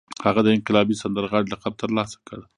هغه د انقلابي سندرغاړي لقب ترلاسه کړ